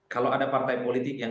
kalau ada partai politik yang